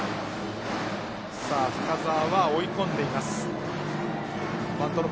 深沢は追い込んでいます。